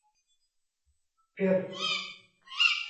پېیر کوري د نوې ماده د کشف لپاره مرسته وکړه.